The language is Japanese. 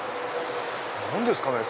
何ですかね？